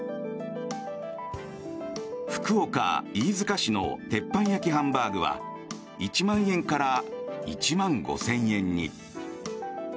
福岡・飯塚市の鉄板焼ハンバーグは１万円から１万５０００円に。